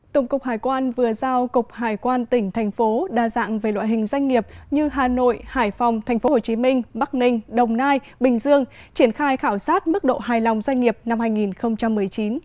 tổng cục hải quan vừa giao cục hải quan tỉnh thành phố đa dạng về loại hình doanh nghiệp như hà nội hải phòng tp hcm bắc ninh đồng nai bình dương triển khai khảo sát mức độ hài lòng doanh nghiệp năm hai nghìn một mươi chín